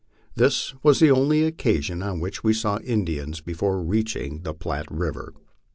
This was the only occasion on which we saw Indians before reaching the Platte river.